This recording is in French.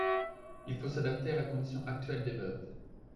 Il faut s’adapter à la condition actuelle des veuves.